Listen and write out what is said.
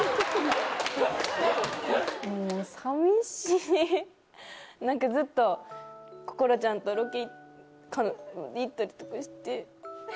寂しい何かずっとこころちゃんとロケ行ったりとかして。